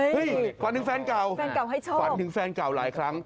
เฮ้ยฝันถึงแฟนเก่าฝันถึงแฟนเก่าหลายครั้ง